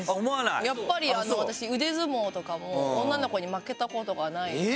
やっぱり私腕相撲とかも女の子に負けた事がないので。